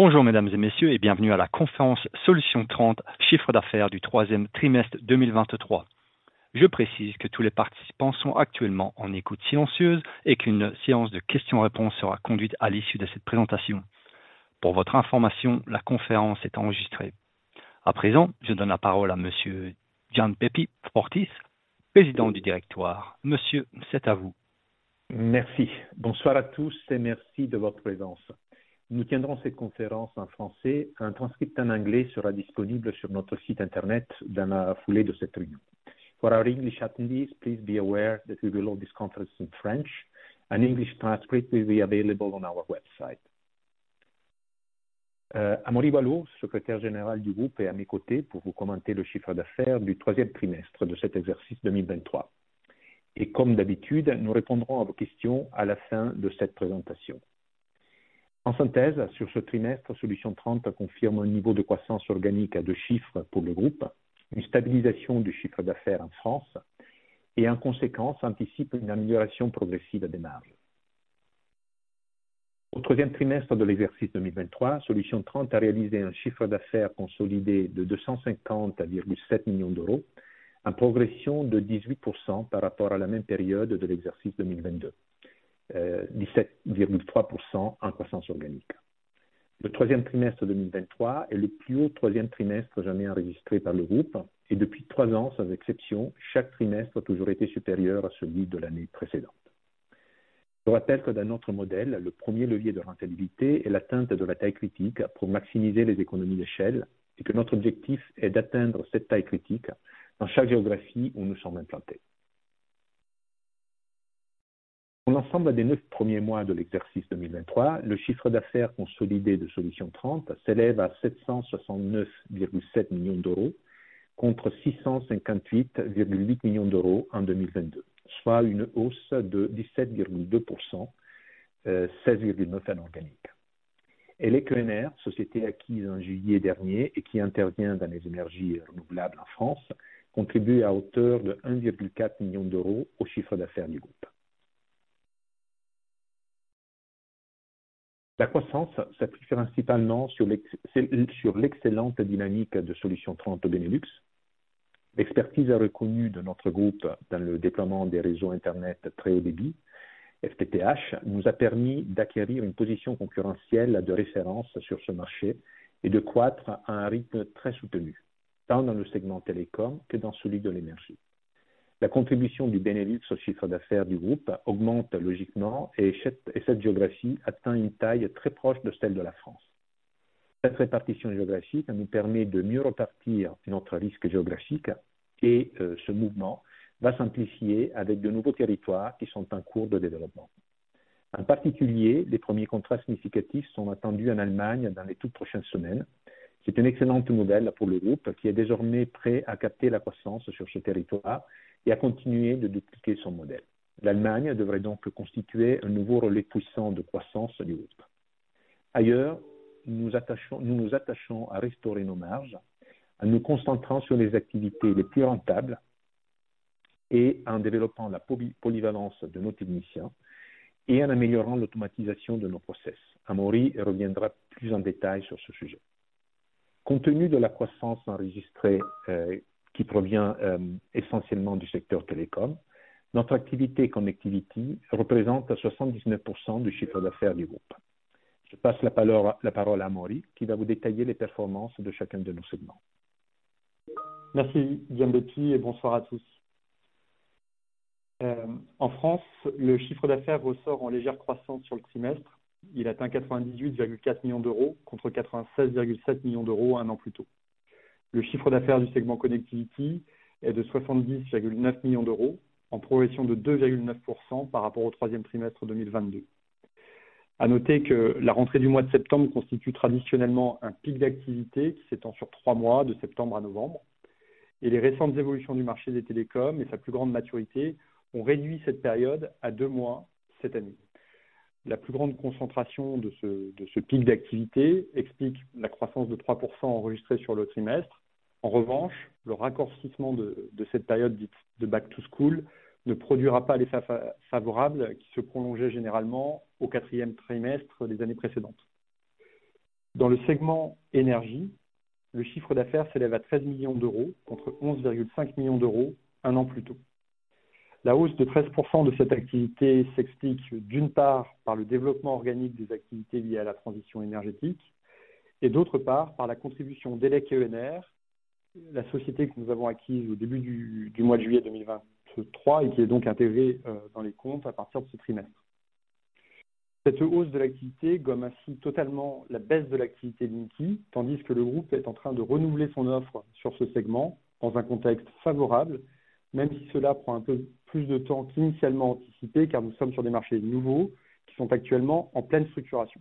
Bonjour Mesdames et Messieurs et bienvenue à la conférence Solutions 30, chiffre d'affaires du troisième trimestre 2023. Je précise que tous les participants sont actuellement en écoute silencieuse et qu'une séance de questions-réponses sera conduite à l'issue de cette présentation. Pour votre information, la conférence est enregistrée. À présent, je donne la parole à Monsieur Gianpiero Portis, Président du Directoire. Monsieur, c'est à vous. Merci. Bonsoir à tous et merci de votre présence. Nous tiendrons cette conférence en français. Un transcript en anglais sera disponible sur notre site Internet dans la foulée de cette réunion. For our English attendees, please be aware that we will hold this conference in French. An English transcript will be available on our website. Amaury Walo, Secrétaire Général du groupe, est à mes côtés pour vous commenter le chiffre d'affaires du troisième trimestre de cet exercice 2023. Et comme d'habitude, nous répondrons à vos questions à la fin de cette présentation. En synthèse, sur ce trimestre, Solutions 30 confirme un niveau de croissance organique à deux chiffres pour le groupe, une stabilisation du chiffre d'affaires en France et, en conséquence, anticipe une amélioration progressive des marges. Au troisième trimestre de l'exercice 2023, Solutions 30 a réalisé un chiffre d'affaires consolidé de 250,7 millions d'euros, en progression de 18% par rapport à la même période de l'exercice 2022, 17,3% en croissance organique. Le troisième trimestre 2023 est le plus haut troisième trimestre jamais enregistré par le groupe et depuis trois ans, sans exception, chaque trimestre a toujours été supérieur à celui de l'année précédente. Je rappelle que dans notre modèle, le premier levier de rentabilité est l'atteinte de la taille critique pour maximiser les économies d'échelle et que notre objectif est d'atteindre cette taille critique dans chaque géographie où nous sommes implantés. Pour l'ensemble des neuf premiers mois de l'exercice 2023, le chiffre d'affaires consolidé de Solutions 30 s'élève à 769,7 millions d'euros, contre 658,8 millions d'euros en 2022, soit une hausse de 17,2%, 16,9% en organique. Elek-ENR, société acquise en juillet dernier et qui intervient dans les énergies renouvelables en France, contribue à hauteur de 1,4 million d'euros au chiffre d'affaires du groupe. La croissance s'appuie principalement sur l'excellente dynamique de Solutions 30 au Benelux. L'expertise reconnue de notre groupe dans le déploiement des réseaux Internet très haut débit, FTTH, nous a permis d'acquérir une position concurrentielle de référence sur ce marché et de croître à un rythme très soutenu, tant dans le segment télécom que dans celui de l'énergie. La contribution du Benelux au chiffre d'affaires du groupe augmente logiquement et cette géographie atteint une taille très proche de celle de la France. Cette répartition géographique nous permet de mieux répartir notre risque géographique et ce mouvement va s'amplifier avec de nouveaux territoires qui sont en cours de développement. En particulier, les premiers contrats significatifs sont attendus en Allemagne dans les toutes prochaines semaines. C'est une excellente nouvelle pour le groupe, qui est désormais prêt à capter la croissance sur ce territoire et à continuer de dupliquer son modèle. L'Allemagne devrait donc constituer un nouveau relais puissant de croissance du groupe. Ailleurs, nous nous attachons à restaurer nos marges, en nous concentrant sur les activités les plus rentables et en développant la polyvalence de nos techniciens et en améliorant l'automatisation de nos processus. Amaury reviendra plus en détail sur ce sujet. Compte tenu de la croissance enregistrée qui provient essentiellement du secteur télécom, notre activité Connectivity représente 79% du chiffre d'affaires du groupe. Je passe la parole à Amaury, qui va vous détailler les performances de chacun de nos segments. Merci, Gianpiero, et bonsoir à tous. En France, le chiffre d'affaires ressort en légère croissance sur le trimestre. Il atteint 98,4 millions d'euros, contre 96,7 millions d'euros un an plus tôt. Le chiffre d'affaires du segment Connectivity est de 70,9 millions d'euros, en progression de 2,9% par rapport au troisième trimestre 2022. À noter que la rentrée du mois de septembre constitue traditionnellement un pic d'activité qui s'étend sur trois mois, de septembre à novembre, et les récentes évolutions du marché des télécoms et sa plus grande maturité ont réduit cette période à deux mois cette année. La plus grande concentration de ce pic d'activité explique la croissance de 3% enregistrée sur le trimestre. En revanche, le raccourcissement de cette période dite de back to school ne produira pas l'effet favorable qui se prolongeait généralement au quatrième trimestre des années précédentes. Dans le segment énergie, le chiffre d'affaires s'élève à 13 millions d'euros, contre 11,5 millions d'euros un an plus tôt. La hausse de 13% de cette activité s'explique d'une part, par le développement organique des activités liées à la transition énergétique et, d'autre part, par la contribution d'Elek-ENR, la société que nous avons acquise au début du mois de juillet 2023 et qui est donc intégrée dans les comptes à partir de ce trimestre. Cette hausse de l'activité gomme ainsi totalement la baisse de l'activité Ninkie, tandis que le groupe est en train de renouveler son offre sur ce segment dans un contexte favorable, même si cela prend un peu plus de temps qu'initialement anticipé, car nous sommes sur des marchés nouveaux qui sont actuellement en pleine structuration.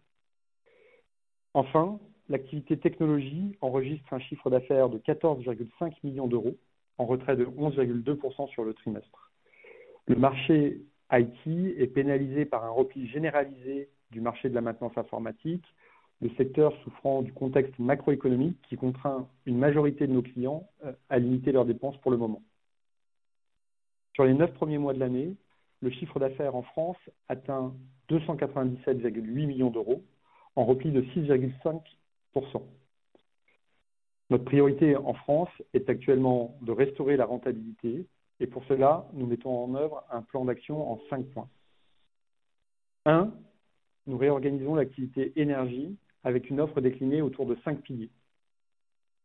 Enfin, l'activité technologie enregistre un chiffre d'affaires de 14,5 millions d'euros, en retrait de 11,2% sur le trimestre. Le marché IT est pénalisé par un repli généralisé du marché de la maintenance informatique, le secteur souffrant du contexte macroéconomique, qui contraint une majorité de nos clients à limiter leurs dépenses pour le moment. Sur les neuf premiers mois de l'année, le chiffre d'affaires en France atteint 297,8 millions d'euros, en repli de 6,5%. Notre priorité en France est actuellement de restaurer la rentabilité et pour cela, nous mettons en œuvre un plan d'action en cinq points. Un: nous réorganisons l'activité énergie avec une offre déclinée autour de cinq piliers.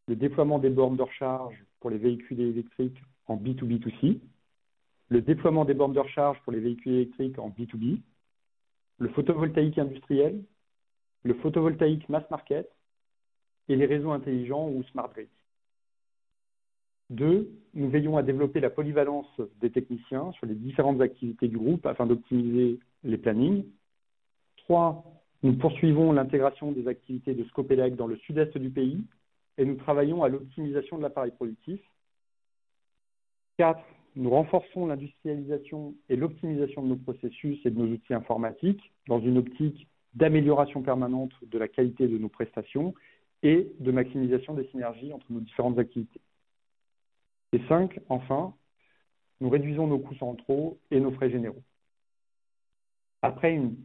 Le déploiement des bornes de recharge pour les véhicules électriques en B2B2C, le déploiement des bornes de recharge pour les véhicules électriques en B2B, le photovoltaïque industriel, le photovoltaïque mass market et les réseaux intelligents ou smart grid. Deux: nous veillons à développer la polyvalence des techniciens sur les différentes activités du groupe afin d'optimiser les plannings. Trois: nous poursuivons l'intégration des activités de Scopelec dans le sud-est du pays et nous travaillons à l'optimisation de l'appareil productif. Quatre: nous renforçons l'industrialisation et l'optimisation de nos processus et de nos outils informatiques, dans une optique d'amélioration permanente de la qualité de nos prestations et de maximisation des synergies entre nos différentes activités. Et cinq, enfin, nous réduisons nos coûts centraux et nos frais généraux. Après une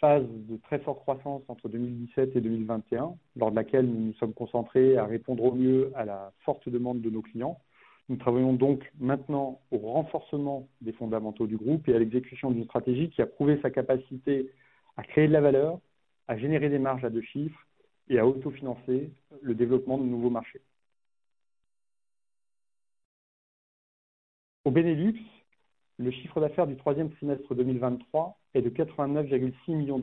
phase de très forte croissance entre 2017 et 2021, lors de laquelle nous nous sommes concentrés à répondre au mieux à la forte demande de nos clients, nous travaillons donc maintenant au renforcement des fondamentaux du groupe et à l'exécution d'une stratégie qui a prouvé sa capacité à créer de la valeur, à générer des marges à deux chiffres et à autofinancer le développement de nouveaux marchés. Au Benelux, le chiffre d'affaires du troisième trimestre 2023 est de €89,6 millions,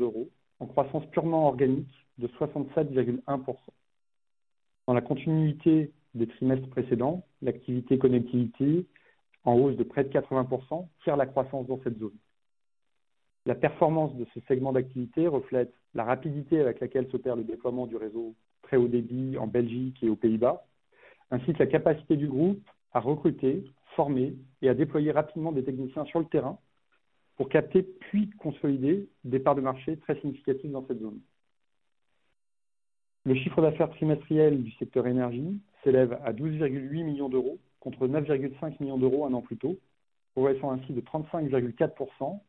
en croissance purement organique de 67,1%. Dans la continuité des trimestres précédents, l'activité connectivité, en hausse de près de 80%, tire la croissance dans cette zone. La performance de ce segment d'activité reflète la rapidité avec laquelle s'opère le déploiement du réseau très haut débit en Belgique et aux Pays-Bas, ainsi que la capacité du groupe à recruter, former et à déployer rapidement des techniciens sur le terrain pour capter puis consolider des parts de marché très significatives dans cette zone. Le chiffre d'affaires trimestriel du secteur énergie s'élève à 12,8 millions d'euros, contre 9,5 millions d'euros un an plus tôt, progressant ainsi de 35,4%,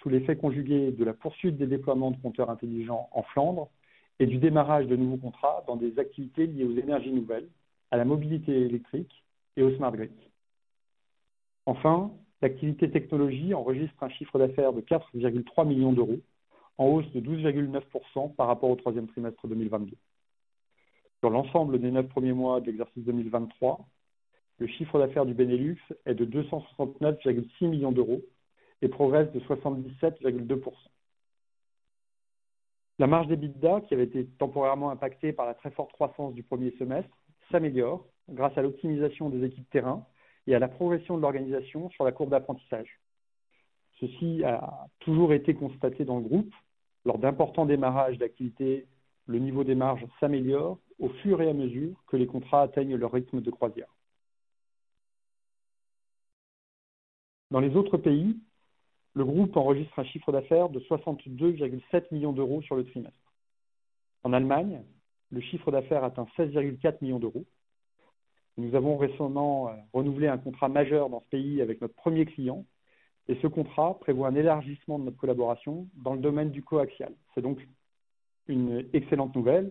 sous l'effet conjugué de la poursuite des déploiements de compteurs intelligents en Flandre et du démarrage de nouveaux contrats dans des activités liées aux énergies nouvelles, à la mobilité électrique et au smart grid. Enfin, l'activité technologie enregistre un chiffre d'affaires de 4,3 millions d'euros, en hausse de 12,9% par rapport au troisième trimestre 2022. Sur l'ensemble des neuf premiers mois de l'exercice 2023, le chiffre d'affaires du Benelux est de 269,6 millions d'euros et progresse de 77,2%. La marge d'EBITDA, qui avait été temporairement impactée par la très forte croissance du premier semestre, s'améliore grâce à l'optimisation des équipes terrain et à la progression de l'organisation sur la courbe d'apprentissage. Ceci a toujours été constaté dans le groupe. Lors d'importants démarrages d'activités, le niveau des marges s'améliore au fur et à mesure que les contrats atteignent leur rythme de croisière. Dans les autres pays, le groupe enregistre un chiffre d'affaires de 62,7 millions d'euros sur le trimestre. En Allemagne, le chiffre d'affaires atteint 16,4 millions d'euros. Nous avons récemment renouvelé un contrat majeur dans ce pays avec notre premier client et ce contrat prévoit un élargissement de notre collaboration dans le domaine du coaxial. C'est donc une excellente nouvelle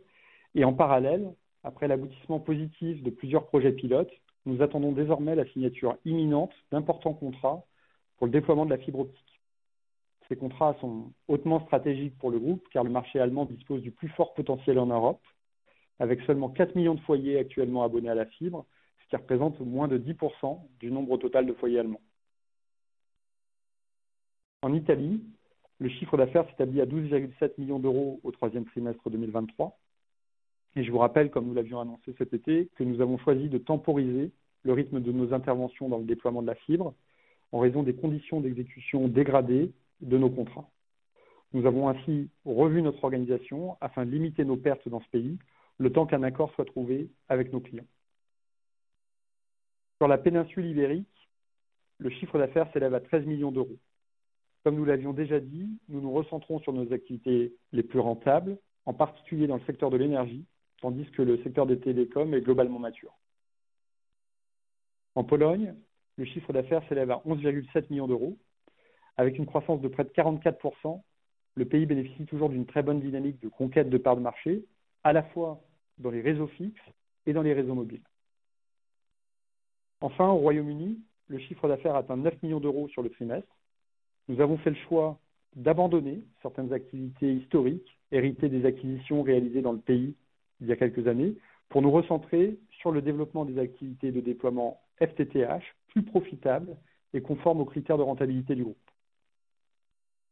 et en parallèle, après l'aboutissement positif de plusieurs projets pilotes, nous attendons désormais la signature imminente d'importants contrats pour le déploiement de la fibre optique. Ces contrats sont hautement stratégiques pour le groupe, car le marché allemand dispose du plus fort potentiel en Europe, avec seulement quatre millions de foyers actuellement abonnés à la fibre, ce qui représente moins de 10% du nombre total de foyers allemands. En Italie, le chiffre d'affaires s'établit à 12,7 millions d'euros au troisième trimestre 2023. Et je vous rappelle, comme nous l'avions annoncé cet été, que nous avons choisi de temporiser le rythme de nos interventions dans le déploiement de la fibre en raison des conditions d'exécution dégradées de nos contrats. Nous avons ainsi revu notre organisation afin de limiter nos pertes dans ce pays, le temps qu'un accord soit trouvé avec nos clients. Sur la péninsule ibérique, le chiffre d'affaires s'élève à €13 millions. Comme nous l'avions déjà dit, nous nous recentrons sur nos activités les plus rentables, en particulier dans le secteur de l'énergie, tandis que le secteur des télécoms est globalement mature. En Pologne, le chiffre d'affaires s'élève à €11,7 millions, avec une croissance de près de 44%. Le pays bénéficie toujours d'une très bonne dynamique de conquête de parts de marché, à la fois dans les réseaux fixes et dans les réseaux mobiles. Enfin, au Royaume-Uni, le chiffre d'affaires atteint 9 millions d'euros sur le trimestre. Nous avons fait le choix d'abandonner certaines activités historiques, héritées des acquisitions réalisées dans le pays il y a quelques années, pour nous recentrer sur le développement des activités de déploiement FTTH, plus profitables et conformes aux critères de rentabilité du groupe.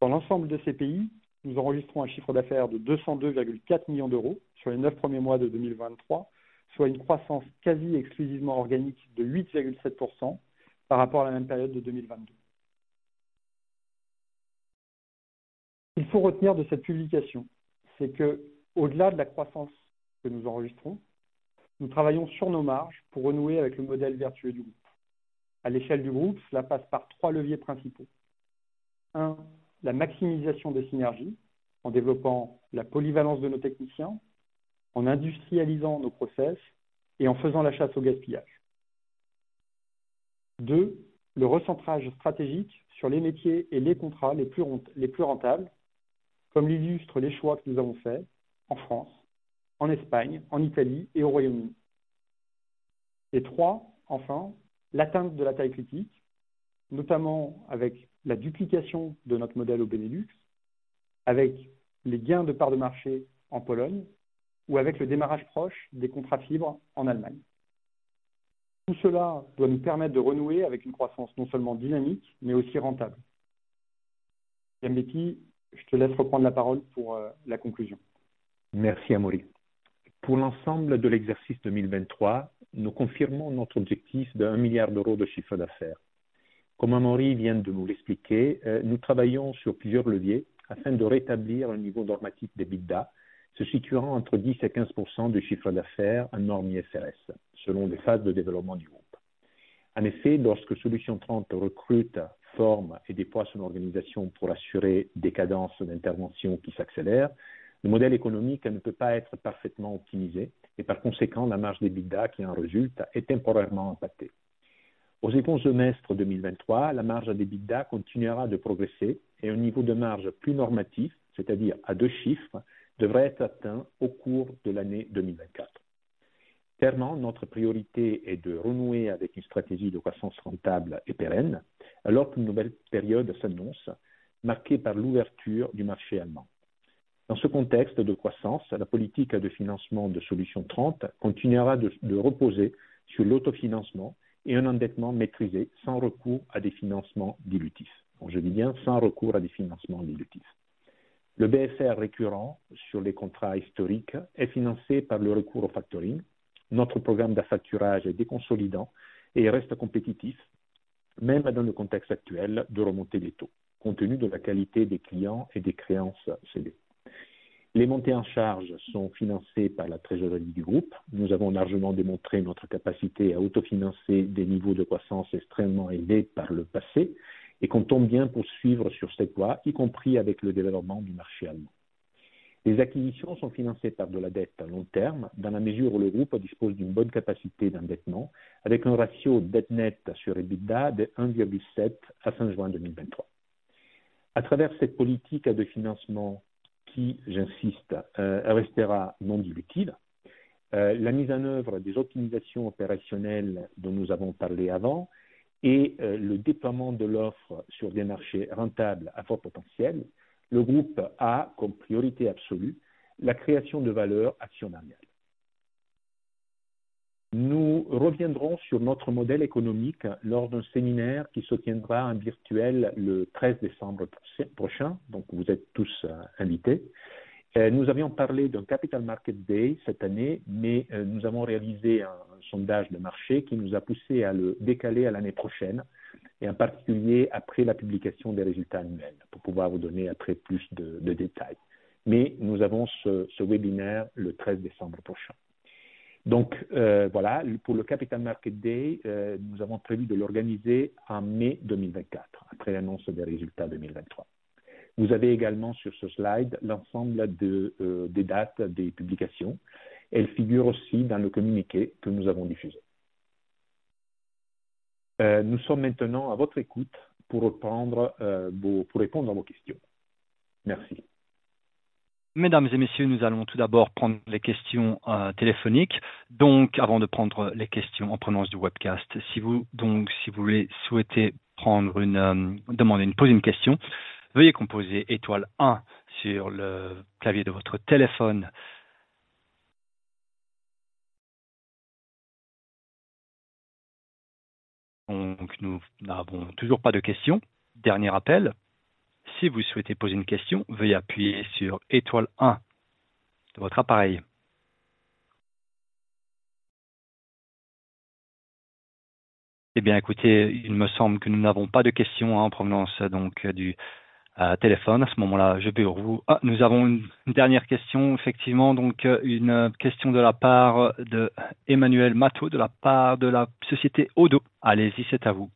Dans l'ensemble de ces pays, nous enregistrons un chiffre d'affaires de 202,4 millions d'euros sur les neuf premiers mois de 2023, soit une croissance quasi exclusivement organique de 8,7% par rapport à la même période de 2022. Ce qu'il faut retenir de cette publication, c'est qu'au-delà de la croissance que nous enregistrons, nous travaillons sur nos marges pour renouer avec le modèle vertueux du groupe. À l'échelle du groupe, cela passe par trois leviers principaux... Un, la maximisation des synergies, en développant la polyvalence de nos techniciens, en industrialisant nos processus et en faisant la chasse au gaspillage. Deux, le recentrage stratégique sur les métiers et les contrats les plus rentables, comme l'illustrent les choix que nous avons faits en France, en Espagne, en Italie et au Royaume-Uni. Et trois, enfin, l'atteinte de la taille critique, notamment avec la duplication de notre modèle au Benelux, avec les gains de parts de marché en Pologne ou avec le démarrage proche des contrats fibre en Allemagne. Tout cela doit nous permettre de renouer avec une croissance non seulement dynamique, mais aussi rentable. Piambetti, je te laisse reprendre la parole pour la conclusion. Merci Amaury. Pour l'ensemble de l'exercice 2023, nous confirmons notre objectif d'un milliard d'euros de chiffre d'affaires. Comme Amaury vient de nous l'expliquer, nous travaillons sur plusieurs leviers afin de rétablir un niveau normatif d'EBITDA, se situant entre 10% et 15% du chiffre d'affaires, un an IFRS, selon les phases de développement du groupe. En effet, lorsque Solutions 30 recrute, forme et déploie son organisation pour assurer des cadences d'intervention qui s'accélèrent, le modèle économique ne peut pas être parfaitement optimisé et par conséquent, la marge d'EBITDA, qui en résulte, est temporairement impactée. Au second semestre 2023, la marge d'EBITDA continuera de progresser et un niveau de marge plus normatif, c'est-à-dire à deux chiffres, devrait être atteint au cours de l'année 2024. Clairement, notre priorité est de renouer avec une stratégie de croissance rentable et pérenne, alors qu'une nouvelle période s'annonce, marquée par l'ouverture du marché allemand. Dans ce contexte de croissance, la politique de financement de Solutions Trente continuera de reposer sur l'autofinancement et un endettement maîtrisé, sans recours à des financements dilutifs. Donc, je dis bien, sans recours à des financements dilutifs. Le BFR récurrent sur les contrats historiques est financé par le recours au factoring. Notre programme d'affacturage est déconsolidant et reste compétitif, même dans le contexte actuel de remontée des taux, compte tenu de la qualité des clients et des créances cédées. Les montées en charge sont financées par la trésorerie du groupe. Nous avons largement démontré notre capacité à autofinancer des niveaux de croissance extrêmement élevés par le passé et comptons bien poursuivre sur cette voie, y compris avec le développement du marché allemand. Les acquisitions sont financées par de la dette à long terme, dans la mesure où le groupe dispose d'une bonne capacité d'endettement, avec un ratio dette nette sur EBITDA de 1,7 à fin juin 2023. À travers cette politique de financement qui, j'insiste, restera non dilutive, la mise en œuvre des optimisations opérationnelles dont nous avons parlé avant et le déploiement de l'offre sur des marchés rentables à fort potentiel, le groupe a comme priorité absolue la création de valeur actionnariale. Nous reviendrons sur notre modèle économique lors d'un séminaire qui se tiendra en virtuel le 13 décembre prochain. Donc, vous êtes tous invités. Nous avions parlé d'un Capital Market Day cette année, mais nous avons réalisé un sondage de marché qui nous a poussés à le décaler à l'année prochaine et en particulier après la publication des résultats annuels, pour pouvoir vous donner après plus de détails. Mais nous avons ce webinaire le 13 décembre prochain. Donc, voilà, pour le Capital Market Day, nous avons prévu de l'organiser en mai 2024, après l'annonce des résultats 2023. Vous avez également sur ce slide l'ensemble des dates des publications. Elles figurent aussi dans le communiqué que nous avons diffusé. Nous sommes maintenant à votre écoute pour répondre à vos questions. Merci. Mesdames et messieurs, nous allons tout d'abord prendre les questions téléphoniques. Donc, avant de prendre les questions en provenance du webcast, si vous voulez souhaiter prendre une, demander, poser une question, veuillez composer étoile un sur le clavier de votre téléphone. Donc, nous n'avons toujours pas de questions. Dernier appel. Si vous souhaitez poser une question, veuillez appuyer sur étoile un de votre appareil. Il me semble que nous n'avons pas de questions en provenance donc du téléphone. À ce moment-là, je peux vous... Ah! Nous avons une dernière question, effectivement. Donc une question de la part de Emmanuel Mataud, de la part de la société Odo. Allez-y, c'est à vous.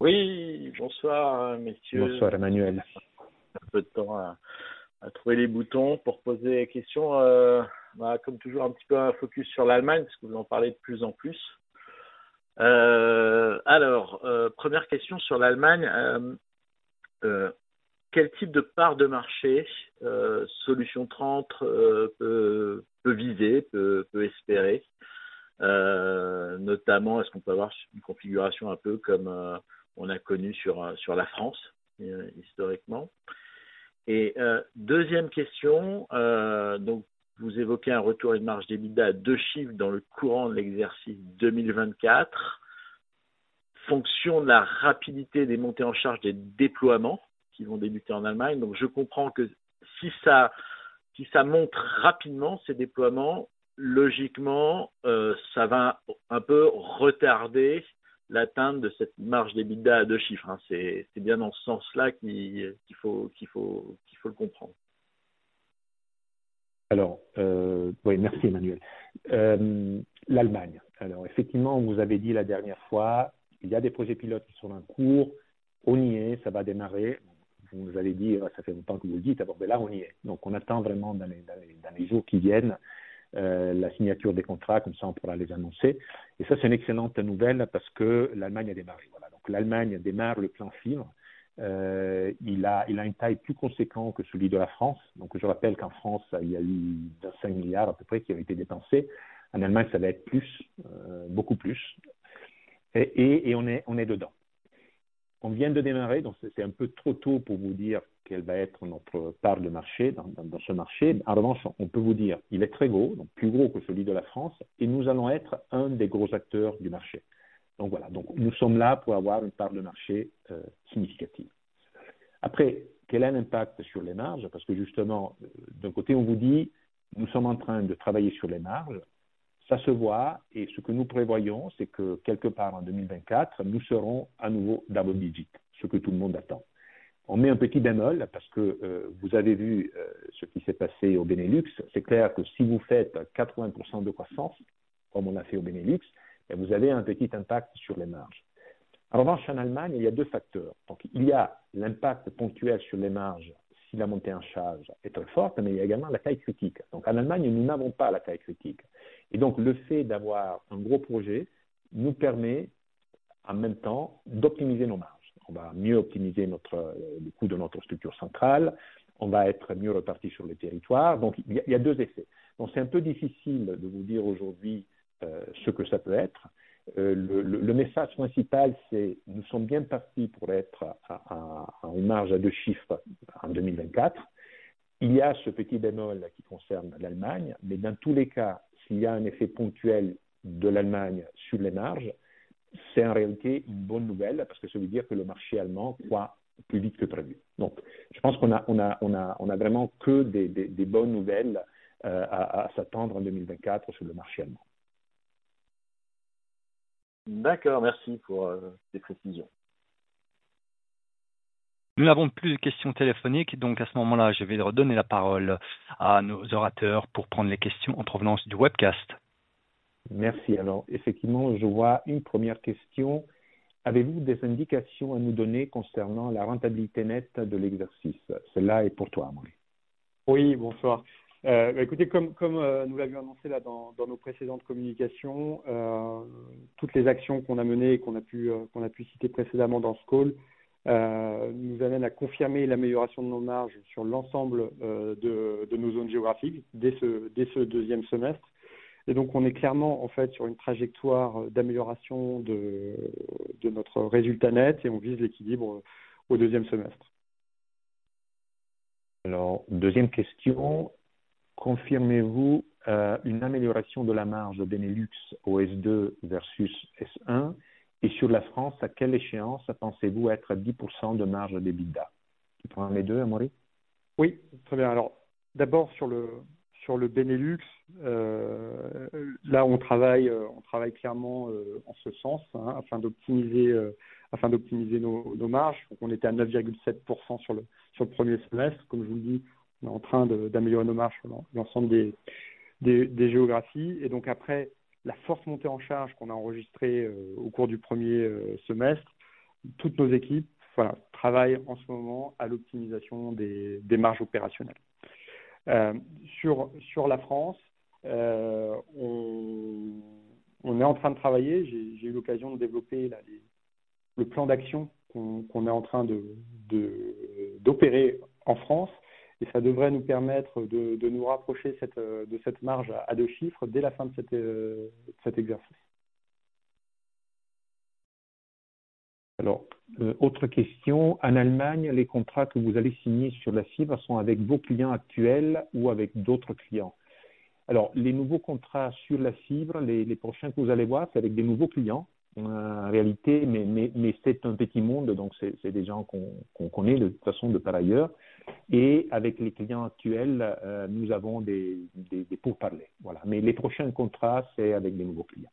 Oui, bonsoir messieurs. Bonsoir Emmanuel. Un peu de temps à trouver les boutons pour poser les questions. Comme toujours, un petit peu un focus sur l'Allemagne, parce que vous en parlez de plus en plus. Alors, première question sur l'Allemagne, quel type de part de marché Solutions trente peut viser, peut espérer? Notamment, est-ce qu'on peut avoir une configuration un peu comme on a connu sur la France, historiquement? Et deuxième question, donc vous évoquez un retour et une marge d'EBITDA à deux chiffres dans le courant de l'exercice 2024, fonction de la rapidité des montées en charge des déploiements qui vont débuter en Allemagne. Donc, je comprends que si ça monte rapidement, ces déploiements, logiquement, ça va un peu retarder l'atteinte de cette marge d'EBITDA à deux chiffres. C'est, c'est bien dans ce sens-là qu'il faut le comprendre? Alors, oui, merci Emmanuel. L'Allemagne. Alors effectivement, on vous avait dit la dernière fois: il y a des projets pilotes qui sont en cours, on y est, ça va démarrer. Vous nous avez dit: ça fait longtemps que vous le dites, mais là, on y est. Donc on attend vraiment dans les jours qui viennent la signature des contrats, comme ça, on pourra les annoncer. Et ça, c'est une excellente nouvelle parce que l'Allemagne a démarré. Voilà, donc l'Allemagne démarre le plan fibre. Il a une taille plus conséquente que celui de la France. Donc, je rappelle qu'en France, il y a eu €5 milliards à peu près qui avaient été dépensés. En Allemagne, ça va être plus, beaucoup plus. Et on est dedans. On vient de démarrer, donc c'est un peu trop tôt pour vous dire quelle va être notre part de marché dans ce marché. En revanche, on peut vous dire, il est très gros, donc plus gros que celui de la France, et nous allons être un des gros acteurs du marché. Donc voilà. Nous sommes là pour avoir une part de marché significative. Après, quel est l'impact sur les marges? Parce que justement, d'un côté, on vous dit: nous sommes en train de travailler sur les marges. Ça se voit et ce que nous prévoyons, c'est que quelque part en 2024, nous serons à nouveau double digits, ce que tout le monde attend. On met un petit bémol parce que vous avez vu ce qui s'est passé au Benelux. C'est clair que si vous faites 80% de croissance, comme on a fait au Benelux, vous avez un petit impact sur les marges. En revanche, en Allemagne, il y a deux facteurs. Donc, il y a l'impact ponctuel sur les marges si la montée en charge est très forte, mais il y a également la taille critique. Donc, en Allemagne, nous n'avons pas la taille critique. Et donc, le fait d'avoir un gros projet nous permet en même temps d'optimiser nos marges. On va mieux optimiser notre coût de notre structure centrale, on va être mieux réparti sur le territoire. Donc, il y a deux effets. Donc c'est un peu difficile de vous dire aujourd'hui ce que ça peut être. Le message principal, c'est: nous sommes bien partis pour être à une marge à deux chiffres en 2024. Il y a ce petit bémol qui concerne l'Allemagne, mais dans tous les cas, s'il y a un effet ponctuel de l'Allemagne sur les marges, c'est en réalité une bonne nouvelle, parce que ça veut dire que le marché allemand croît plus vite que prévu. Donc, je pense qu'on a vraiment que des bonnes nouvelles à s'attendre en 2024 sur le marché allemand. D'accord, merci pour ces précisions. Nous n'avons plus de questions téléphoniques, donc à ce moment-là, je vais redonner la parole à nos orateurs pour prendre les questions en provenance du webcast. Merci. Alors effectivement, je vois une première question: avez-vous des indications à nous donner concernant la rentabilité nette de l'exercice? Celle-là est pour toi, Amaury. Oui, bonsoir. Écoutez, comme nous l'avions annoncé dans nos précédentes communications, toutes les actions qu'on a menées et qu'on a pu citer précédemment dans ce call nous amènent à confirmer l'amélioration de nos marges sur l'ensemble de nos zones géographiques dès ce deuxième semestre. Donc, on est clairement sur une trajectoire d'amélioration de notre résultat net et on vise l'équilibre au deuxième semestre. Alors, deuxième question: confirmez-vous une amélioration de la marge Benelux au S2 versus S1? Et sur la France, à quelle échéance pensez-vous être à 10% de marge d'EBITDA? Tu prends les deux, Amaury? Oui, très bien. Alors d'abord, sur le Benelux, là, on travaille clairement en ce sens, afin d'optimiser nos marges. On était à 9,7% sur le premier semestre. Comme je vous le dis, on est en train d'améliorer nos marges sur l'ensemble des géographies. Donc, après la forte montée en charge qu'on a enregistrée au cours du premier semestre, toutes nos équipes travaillent en ce moment à l'optimisation des marges opérationnelles. Sur la France, on est en train de travailler. J'ai eu l'occasion de développer le plan d'action qu'on est en train d'opérer en France et ça devrait nous permettre de nous rapprocher de cette marge à deux chiffres dès la fin de cet exercice. Alors, autre question: en Allemagne, les contrats que vous allez signer sur la fibre sont avec vos clients actuels ou avec d'autres clients? Alors, les nouveaux contrats sur la fibre, les prochains que vous allez voir, c'est avec des nouveaux clients. En réalité, mais c'est un petit monde, donc c'est des gens qu'on connaît de toute façon de par ailleurs. Et avec les clients actuels, nous avons des pourparlers. Voilà, mais les prochains contrats, c'est avec des nouveaux clients.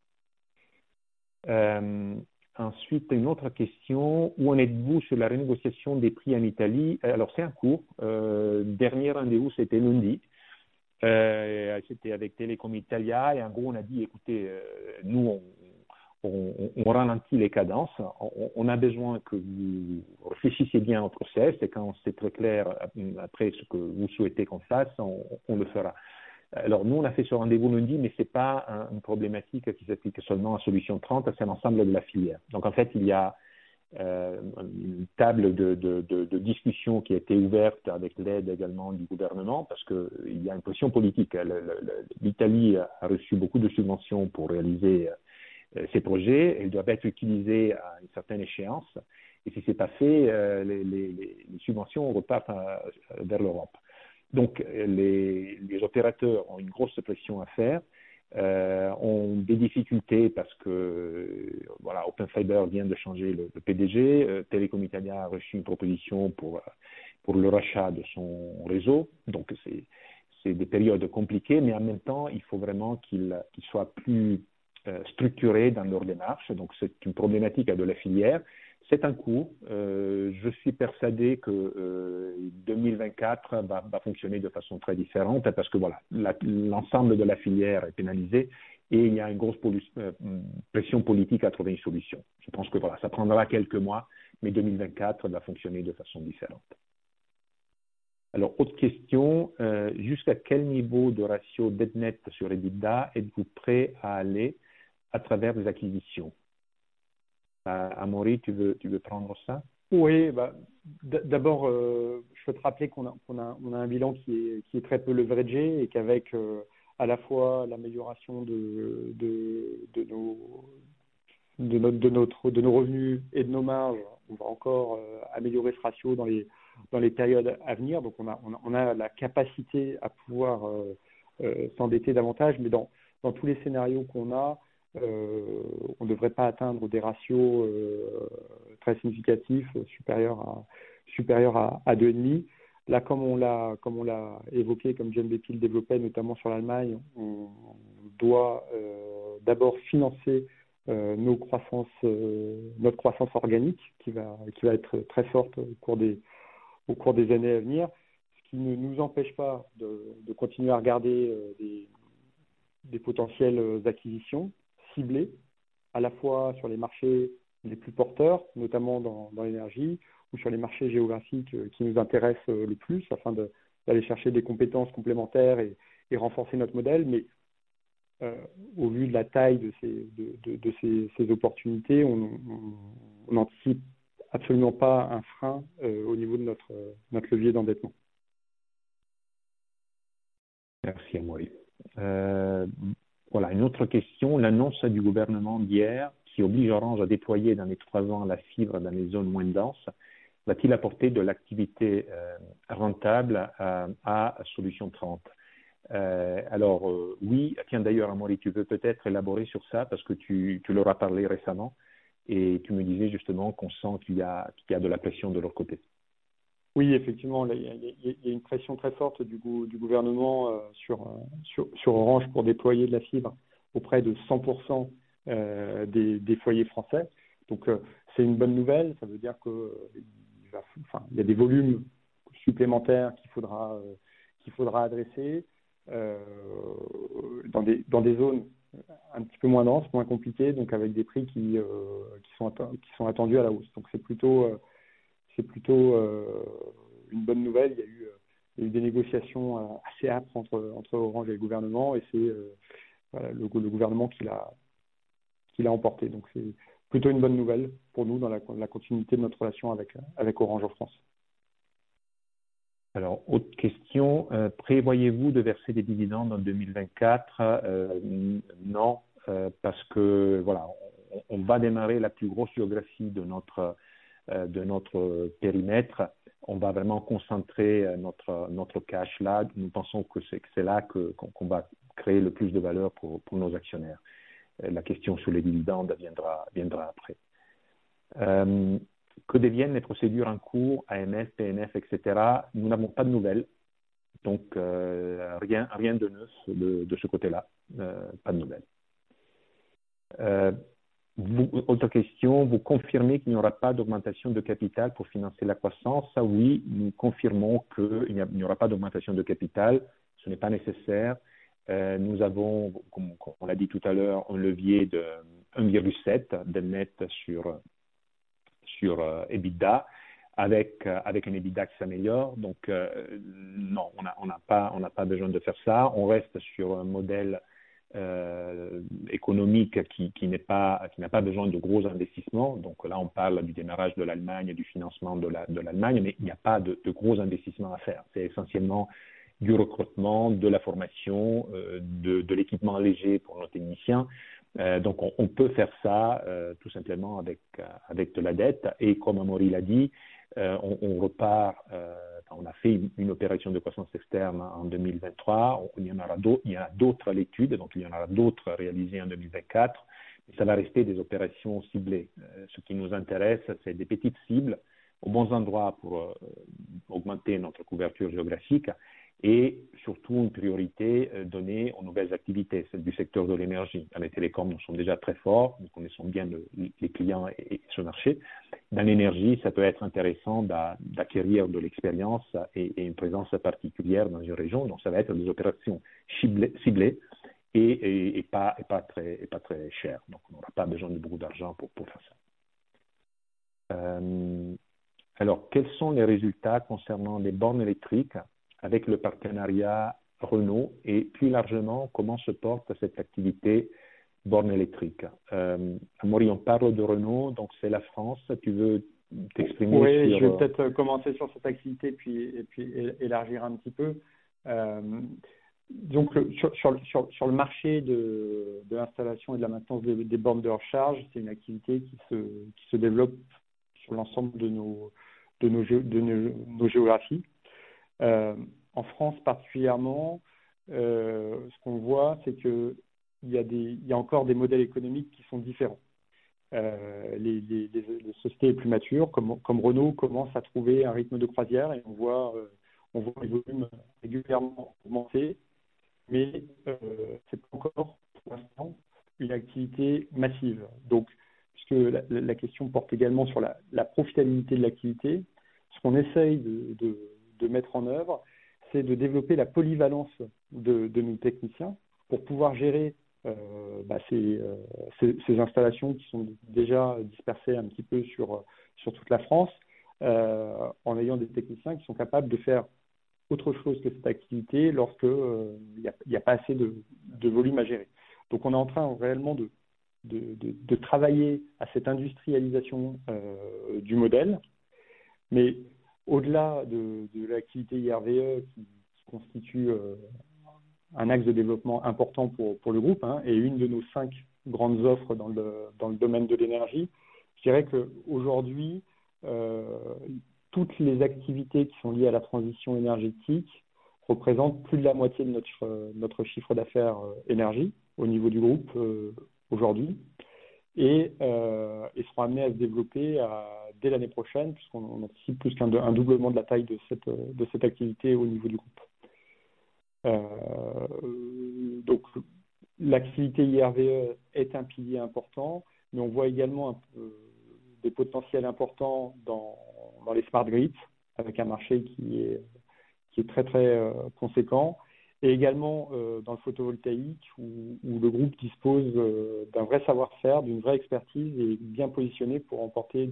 Ensuite, une autre question: où en êtes-vous sur la renégociation des prix en Italie? Alors, c'est en cours. Dernier rendez-vous, c'était lundi. C'était avec Telecom Italia. Et en gros, on a dit: écoutez, nous, on ralentit les cadences. On a besoin que vous réfléchissiez bien à votre geste et quand c'est très clair, après, ce que vous souhaitez qu'on fasse, on le fera. Alors nous, on a fait ce rendez-vous lundi, mais ce n'est pas une problématique qui s'applique seulement à Solution trente, c'est l'ensemble de la filière. Donc en fait, il y a une table de discussions qui a été ouverte avec l'aide également du gouvernement, parce qu'il y a une pression politique. L'Italie a reçu beaucoup de subventions pour réaliser ces projets. Elles doivent être utilisées à une certaine échéance. Et si ce n'est pas fait, les subventions repartent vers l'Europe. Donc, les opérateurs ont une grosse pression à faire, ont des difficultés parce que... Voilà, Open Fiber vient de changer le PDG. Telecom Italia a reçu une proposition pour le rachat de son réseau. Donc c'est des périodes compliquées, mais en même temps, il faut vraiment qu'ils soient plus structurés dans leur démarche. Donc c'est une problématique de la filière. C'est un coup. Je suis persuadé que 2024 va fonctionner de façon très différente, parce que voilà, l'ensemble de la filière est pénalisée et il y a une grosse pression politique à trouver une solution. Je pense que voilà, ça prendra quelques mois, mais 2024 va fonctionner de façon différente. Alors, autre question: jusqu'à quel niveau de ratio dette nette sur EBITDA êtes-vous prêt à aller à travers des acquisitions? Amaury, tu veux prendre ça? Oui, d'abord, je peux te rappeler qu'on a un bilan qui est très peu leveragé et qu'avec à la fois l'amélioration de nos revenus et de nos marges, on va encore améliorer ce ratio dans les périodes à venir. Donc, on a la capacité à pouvoir s'endetter davantage, mais dans tous les scénarios qu'on a, on devrait pas atteindre des ratios très significatifs, supérieurs à deux et demi. Là, comme on l'a évoqué, comme Jean-Baptiste le développait, notamment sur l'Allemagne, on doit d'abord financer notre croissance organique, qui va être très forte au cours des années à venir. Ce qui ne nous empêche pas de continuer à regarder des potentielles acquisitions ciblées, à la fois sur les marchés les plus porteurs, notamment dans l'énergie ou sur les marchés géographiques qui nous intéressent le plus, afin d'aller chercher des compétences complémentaires et renforcer notre modèle. Mais au vu de la taille de ces opportunités, on n'anticipe absolument pas un frein au niveau de notre levier d'endettement. Merci Amaury. Voilà, une autre question: l'annonce du gouvernement d'hier, qui oblige Orange à déployer dans les trois ans la fibre dans les zones moins denses, va-t-elle apporter de l'activité rentable à Solutions 30? Alors, oui. Tiens, d'ailleurs, Amaury, tu peux peut-être élaborer sur ça, parce que tu leur as parlé récemment et tu me disais justement qu'on sent qu'il y a de la pression de leur côté. Oui, effectivement, il y a une pression très forte du gouvernement sur Orange pour déployer de la fibre auprès de cent pour cent des foyers français. Donc, c'est une bonne nouvelle. Ça veut dire qu'il y a des volumes supplémentaires qu'il faudra adresser dans des zones un petit peu moins denses, moins compliquées, donc avec des prix qui sont attendus à la hausse. Donc, c'est plutôt une bonne nouvelle. Il y a eu des négociations assez âpres entre Orange et le gouvernement et c'est le gouvernement qui l'a emporté. Donc c'est plutôt une bonne nouvelle pour nous, dans la continuité de notre relation avec Orange en France. Alors, autre question: prévoyez-vous de verser des dividendes en 2024? Non, parce que voilà, on va démarrer la plus grosse géographie de notre périmètre. On va vraiment concentrer notre cash là. Nous pensons que c'est là qu'on va créer le plus de valeur pour nos actionnaires. La question sur les dividendes viendra après. Que deviennent les procédures en cours, AMS, PNF, etc.? Nous n'avons pas de nouvelles, donc rien de neuf de ce côté-là. Pas de nouvelles. Autre question: vous confirmez qu'il n'y aura pas d'augmentation de capital pour financer la croissance? Ça, oui, nous confirmons qu'il n'y aura pas d'augmentation de capital, ce n'est pas nécessaire. Nous avons, comme on l'a dit tout à l'heure, un levier de 1,7, dette nette sur EBITDA, avec un EBITDA qui s'améliore. Donc non, on n'a pas besoin de faire ça. On reste sur un modèle économique qui n'est pas, qui n'a pas besoin de gros investissements. Donc là, on parle du démarrage de l'Allemagne et du financement de l'Allemagne, mais il n'y a pas de gros investissements à faire. C'est essentiellement du recrutement, de la formation, de l'équipement léger pour nos techniciens. Donc, on peut faire ça tout simplement avec de la dette. Et comme Amaury l'a dit, on repart... on a fait une opération de croissance externe en 2023. Il y en aura d'autres à l'étude, donc il y en aura d'autres réalisées en 2024. Ça va rester des opérations ciblées. Ce qui nous intéresse, c'est des petites cibles, aux bons endroits pour augmenter notre couverture géographique et surtout une priorité donnée aux nouvelles activités, celles du secteur de l'énergie. Dans les télécoms, nous sommes déjà très forts, nous connaissons bien les clients et ce marché. Dans l'énergie, ça peut être intéressant d'acquérir de l'expérience et une présence particulière dans une région. Donc ça va être des opérations ciblées et pas très chères. Donc, on n'aura pas besoin de beaucoup d'argent pour faire ça. Alors, quels sont les résultats concernant les bornes électriques avec le partenariat Renault? Et plus largement, comment se porte cette activité borne électrique? Euh, Amaury, on parle de Renault, donc c'est la France. Tu veux t'exprimer? Oui, je vais peut-être commencer sur cette activité, puis élargir un petit peu. Donc, sur le marché de l'installation et de la maintenance des bornes de recharge, c'est une activité qui se développe sur l'ensemble de nos géographies. En France particulièrement, ce qu'on voit, c'est qu'il y a encore des modèles économiques qui sont différents. Les sociétés plus matures, comme Renault, commencent à trouver un rythme de croisière et on voit les volumes régulièrement augmenter, mais ce n'est pas encore pour l'instant une activité massive. Donc, puisque la question porte également sur la profitabilité de l'activité, ce qu'on essaie de mettre en œuvre, c'est de développer la polyvalence de nos techniciens pour pouvoir gérer ces installations qui sont déjà dispersées un petit peu sur toute la France, en ayant des techniciens qui sont capables de faire autre chose que cette activité lorsqu'il n'y a pas assez de volume à gérer. Donc, on est en train réellement de travailler à cette industrialisation du modèle. Mais au-delà de l'activité IRVE, qui constitue un axe de développement important pour le groupe, et une de nos cinq grandes offres dans le domaine de l'énergie, je dirais qu'aujourd'hui, toutes les activités qui sont liées à la transition énergétique représentent plus de la moitié de notre chiffre d'affaires énergie au niveau du groupe aujourd'hui, et seront amenées à se développer dès l'année prochaine, puisqu'on anticipe plus qu'un doublement de la taille de cette activité au niveau du groupe. L'activité IRVE est un pilier important, mais on voit également des potentiels importants dans les smart grids, avec un marché qui est très conséquent, et également dans le photovoltaïque, où le groupe dispose d'un vrai savoir-faire, d'une vraie expertise, et est bien positionné pour remporter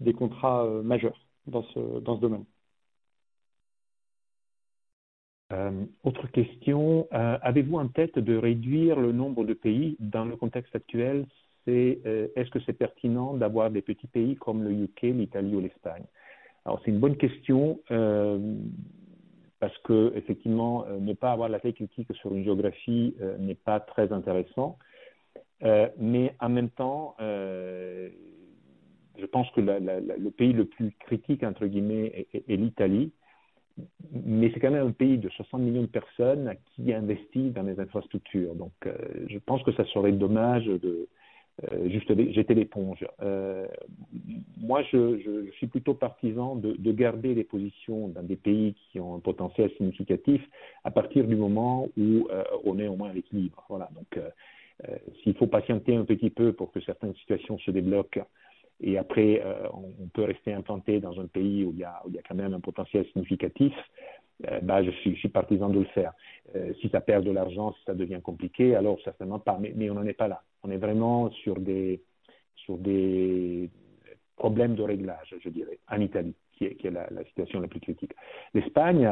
des contrats majeurs dans ce domaine. Autre question: avez-vous en tête de réduire le nombre de pays dans le contexte actuel? Est-ce que c'est pertinent d'avoir des petits pays comme le UK, l'Italie ou l'Espagne? Alors, c'est une bonne question, parce que effectivement, ne pas avoir la taille critique sur une géographie n'est pas très intéressant. Mais en même temps, je pense que le pays le plus critique, entre guillemets, est l'Italie. Mais c'est quand même un pays de soixante millions de personnes qui investit dans les infrastructures. Donc, je pense que ça serait dommage de juste jeter l'éponge. Moi, je suis plutôt partisan de garder les positions dans des pays qui ont un potentiel significatif, à partir du moment où on est au moins à l'équilibre. Voilà, donc s'il faut patienter un petit peu pour que certaines situations se débloquent et après on peut rester implanté dans un pays où il y a quand même un potentiel significatif, je suis partisan de le faire. Si ça perd de l'argent, si ça devient compliqué, alors certainement pas, mais on n'en est pas là. On est vraiment sur des problèmes de réglage, je dirais, en Italie, qui est la situation la plus critique. L'Espagne,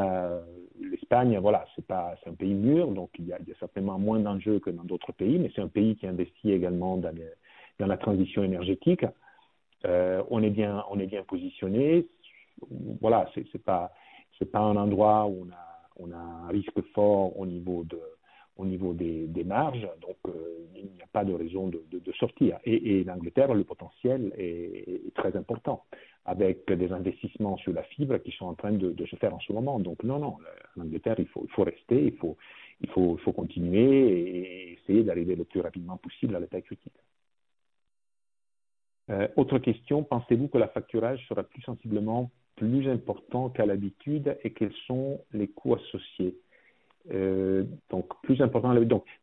c'est pas un pays mûr, donc il y a certainement moins d'enjeux que dans d'autres pays, mais c'est un pays qui investit également dans la transition énergétique. On est bien positionné. Voilà, ce n'est pas un endroit où on a un risque fort au niveau des marges, donc il n'y a pas de raison de sortir. Et l'Angleterre, le potentiel est très important, avec des investissements sur la fibre qui sont en train de se faire en ce moment. Donc non, l'Angleterre, il faut rester, il faut continuer et essayer d'arriver le plus rapidement possible à la taille critique. Autre question: pensez-vous que l'affacturage sera sensiblement plus important qu'à l'habitude? Et quels sont les coûts associés? Donc, plus important,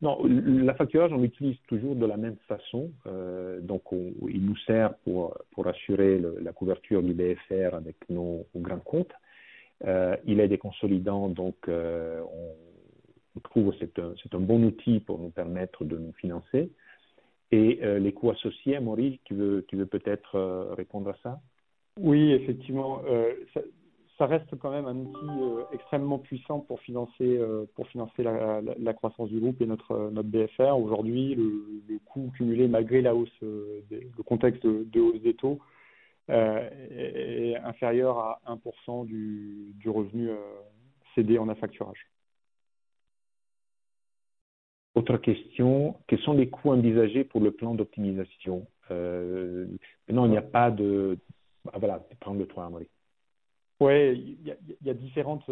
non, l'affacturage, on l'utilise toujours de la même façon. Donc, il nous sert pour assurer la couverture du BFR avec nos grands comptes. Il est consolidant, donc on trouve que c'est un bon outil pour nous permettre de nous financer. Et les coûts associés, Amaury, tu veux peut-être répondre à ça? Oui, effectivement, ça reste quand même un outil extrêmement puissant pour financer la croissance du groupe et notre BFR. Aujourd'hui, les coûts cumulés, malgré la hausse des taux, est inférieur à 1% du revenu cédé en affacturage. Autre question: quels sont les coûts envisagés pour le plan d'optimisation? Non, il n'y a pas de... Voilà, prends le toi, Amaury. Ouais, il y a différentes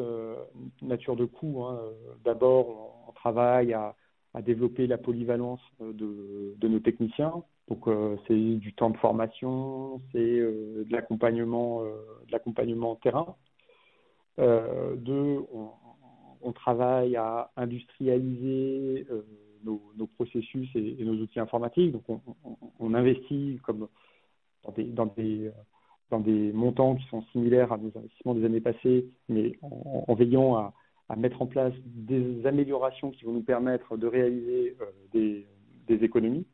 natures de coûts, hein. D'abord, on travaille à développer la polyvalence de nos techniciens. Donc, c'est du temps de formation, c'est de l'accompagnement, de l'accompagnement terrain. Deux, on travaille à industrialiser nos processus et nos outils informatiques. Donc, on investit comme dans des montants qui sont similaires à nos investissements des années passées, mais en veillant à mettre en place des améliorations qui vont nous permettre de réaliser des économies.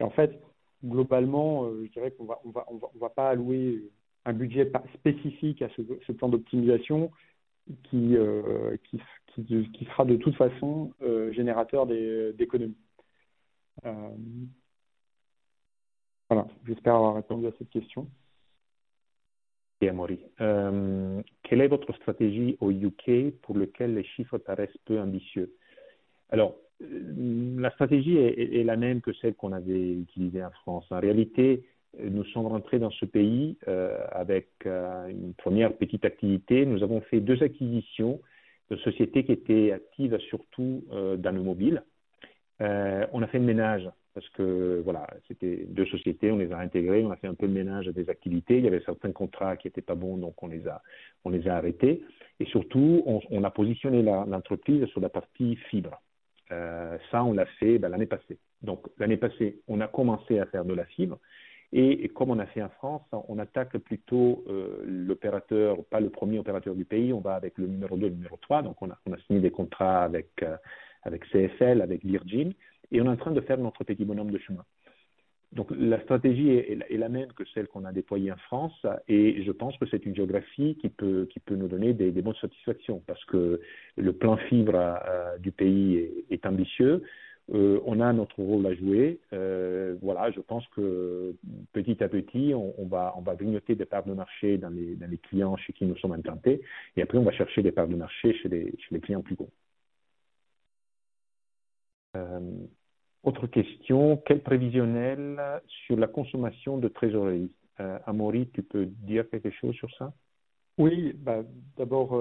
Et en fait, globalement, je dirais qu'on va pas allouer un budget spécifique à ce plan d'optimisation, qui sera de toute façon générateur d'économies. Voilà, j'espère avoir répondu à cette question. Ok, Amaury. Quelle est votre stratégie au UK, pour lequel les chiffres paraissent peu ambitieux? Alors, la stratégie est la même que celle qu'on avait utilisée en France. En réalité, nous sommes rentrés dans ce pays avec une première petite activité. Nous avons fait deux acquisitions de sociétés qui étaient actives surtout dans le mobile. On a fait le ménage parce que, voilà, c'était deux sociétés, on les a intégrées, on a fait un peu le ménage des activités. Il y avait certains contrats qui n'étaient pas bons, donc on les a arrêtés. Et surtout, on a positionné l'entreprise sur la partie fibre. Ça, on l'a fait l'année passée. Donc l'année passée, on a commencé à faire de la fibre et comme on a fait en France, on attaque plutôt l'opérateur, pas le premier opérateur du pays. On va avec le numéro deux, le numéro trois. Donc on a signé des contrats avec CSL, avec Virgin, et on est en train de faire notre équilibre nombre de chemins. Donc la stratégie est la même que celle qu'on a déployée en France et je pense que c'est une géographie qui peut nous donner de bonnes satisfactions, parce que le plan fibre du pays est ambitieux. On a notre rôle à jouer. Voilà, je pense que petit à petit, on va grignoter des parts de marché dans les clients chez qui nous sommes implantés et après, on va chercher des parts de marché chez les clients plus grands. Autre question: quel prévisionnel sur la consommation de trésorerie? Amaury, tu peux dire quelque chose sur ça? Oui, bien, d'abord,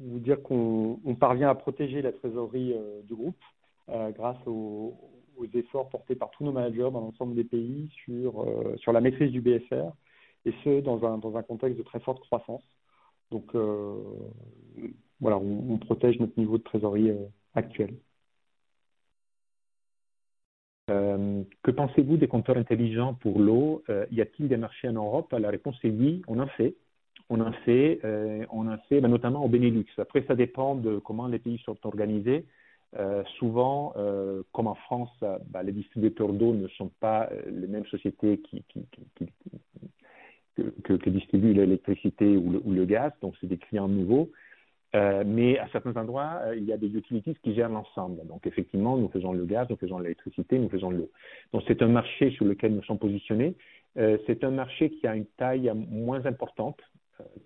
vous dire qu'on parvient à protéger la trésorerie du groupe grâce aux efforts portés par tous nos managers dans l'ensemble des pays sur la maîtrise du BFR, et ce, dans un contexte de très forte croissance. Donc voilà, on protège notre niveau de trésorerie actuel. Que pensez-vous des compteurs intelligents pour l'eau? Y a-t-il des marchés en Europe? La réponse est oui, on en fait. On en fait notamment au Benelux. Après, ça dépend de comment les pays sont organisés. Souvent, comme en France, ben, les distributeurs d'eau ne sont pas les mêmes sociétés qui distribuent l'électricité ou le gaz. Donc, c'est des clients nouveaux, mais à certains endroits, il y a des utilities qui gèrent l'ensemble. Donc, effectivement, nous faisons le gaz, nous faisons l'électricité, nous faisons l'eau. Donc c'est un marché sur lequel nous sommes positionnés. C'est un marché qui a une taille moins importante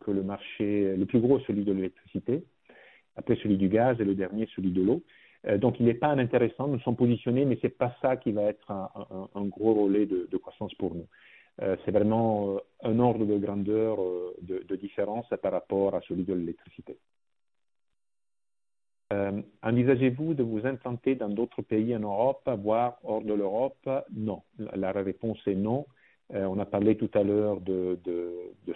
que le marché le plus gros, celui de l'électricité, après celui du gaz et le dernier, celui de l'eau. Donc il n'est pas inintéressant. Nous sommes positionnés, mais ce n'est pas ça qui va être un gros relais de croissance pour nous. C'est vraiment un ordre de grandeur de différence par rapport à celui de l'électricité. Envisagez-vous de vous implanter dans d'autres pays en Europe, voire hors de l'Europe? Non, la réponse est non. On a parlé tout à l'heure de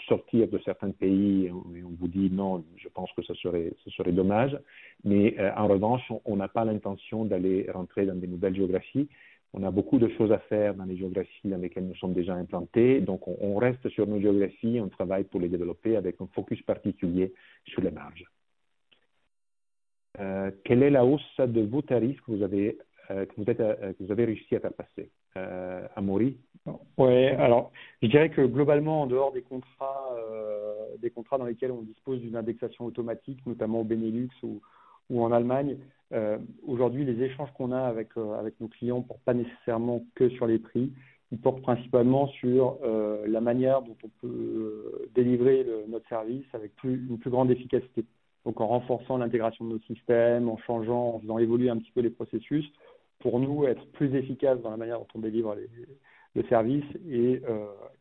sortir de certains pays et on vous dit non, je pense que ça serait, ce serait dommage. Mais en revanche, on n'a pas l'intention d'aller rentrer dans des nouvelles géographies. On a beaucoup de choses à faire dans les géographies dans lesquelles nous sommes déjà implantés. Donc, on reste sur nos géographies, on travaille pour les développer avec un focus particulier sur les marges. Quelle est la hausse de vos tarifs que vous avez, que vous avez réussi à faire passer? Euh, Amaury? Ouais, alors, je dirais que globalement, en dehors des contrats dans lesquels on dispose d'une indexation automatique, notamment au Benelux ou en Allemagne, aujourd'hui, les échanges qu'on a avec nos clients ne portent pas nécessairement que sur les prix. Ils portent principalement sur la manière dont on peut délivrer notre service avec plus, une plus grande efficacité. Donc, en renforçant l'intégration de notre système, en changeant, en faisant évoluer un petit peu les processus, pour nous, être plus efficace dans la manière dont on délivre le service et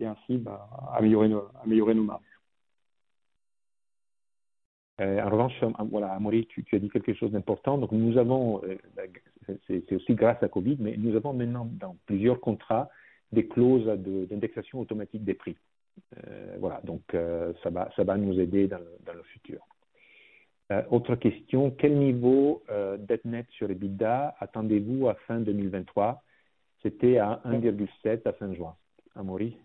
ainsi, bien, améliorer nos marges. En revanche, voilà, Amaury, tu as dit quelque chose d'important. Donc, nous avons, c'est aussi grâce à COVID, mais nous avons maintenant dans plusieurs contrats, des clauses d'indexation automatique des prix. Voilà, donc ça va nous aider dans le futur. Autre question: quel niveau dette nette sur l'EBITDA attendez-vous à fin 2023? C'était à 1,7 à fin juin. Amaury?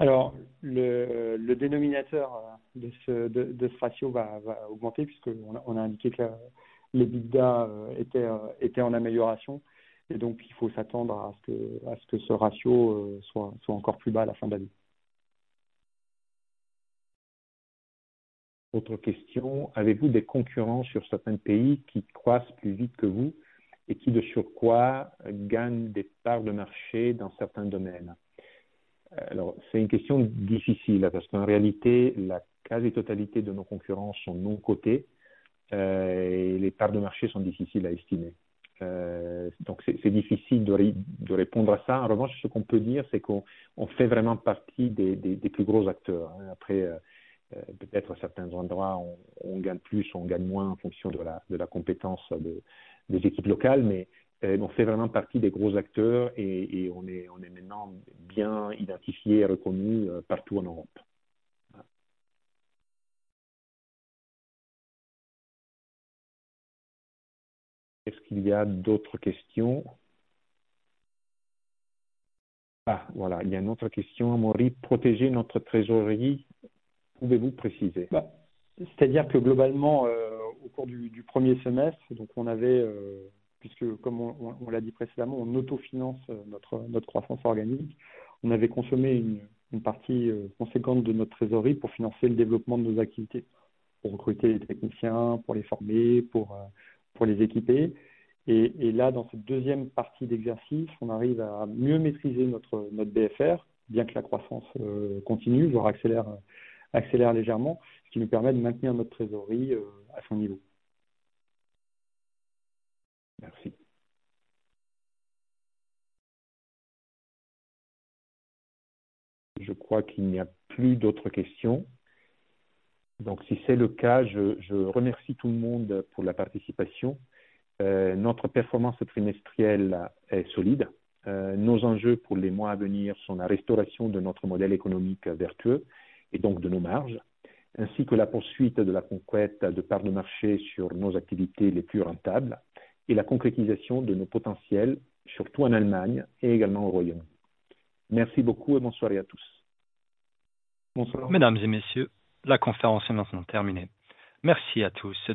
Alors, le dénominateur de ce ratio va augmenter puisque on a indiqué que l'EBITDA était en amélioration et donc il faut s'attendre à ce que ce ratio soit encore plus bas à la fin de l'année. Autre question: avez-vous des concurrents sur certains pays qui croissent plus vite que vous et qui, de surcroît, gagnent des parts de marché dans certains domaines? Alors, c'est une question difficile, parce qu'en réalité, la quasi-totalité de nos concurrents sont non cotés, et les parts de marché sont difficiles à estimer. Donc c'est difficile de répondre à ça. En revanche, ce qu'on peut dire, c'est qu'on fait vraiment partie des plus gros acteurs. Après, peut-être certains endroits, on gagne plus, on gagne moins en fonction de la compétence des équipes locales, mais on fait vraiment partie des gros acteurs et on est maintenant bien identifié et reconnu partout en Europe. Est-ce qu'il y a d'autres questions? Ah, voilà, il y a une autre question, Amaury: protéger notre trésorerie. Pouvez-vous préciser? Bien, c'est-à-dire que globalement, au cours du premier semestre, donc, on avait... puisque comme on l'a dit précédemment, on autofinance notre croissance organique, on avait consommé une partie conséquente de notre trésorerie pour financer le développement de nos activités, pour recruter des techniciens, pour les former, pour les équiper. Et là, dans cette deuxième partie d'exercice, on arrive à mieux maîtriser notre BFR, bien que la croissance continue, voire accélère légèrement, ce qui nous permet de maintenir notre trésorerie à son niveau. Merci. Je crois qu'il n'y a plus d'autres questions. Donc, si c'est le cas, je remercie tout le monde pour la participation. Notre performance trimestrielle est solide. Nos enjeux pour les mois à venir sont la restauration de notre modèle économique vertueux et donc de nos marges, ainsi que la poursuite de la conquête de parts de marché sur nos activités les plus rentables et la concrétisation de nos potentiels, surtout en Allemagne et également au Royaume-Uni. Merci beaucoup et bonne soirée à tous. Mesdames et messieurs, la conférence est maintenant terminée. Merci à tous de nous avoir rejoints.